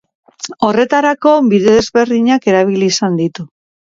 Horretarako bide desberdinak erabili izan ditu.